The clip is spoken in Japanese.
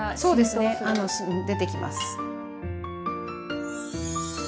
そうですね出てきます。